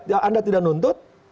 kalau anda tidak menuntut